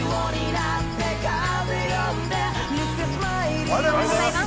おはようございます。